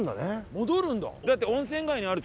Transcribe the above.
戻るんだ。